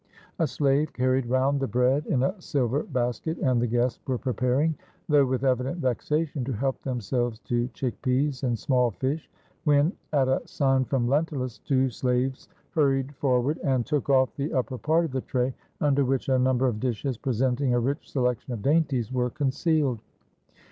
A slave carried round the bread in a silver basket, and the guests were preparing, though with evident vexation, to help themselves to chick peas and small fish, when at a sign from Lentulus, two slaves hurried forward, and 475 ROME took off the upper part of the tray, under which a num ber of dishes, presenting a rich selection of dainties, were concealed.